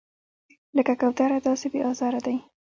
لکه کوتره داسې بې آزاره دی.